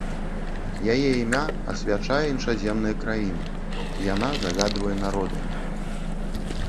Яе імя асвячае іншаземныя краіны, яна загадвае народамі.